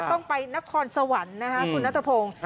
ต้องไปนครสวรรค์นะครับคุณนัตตาโพง